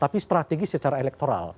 tapi strategis secara elektoral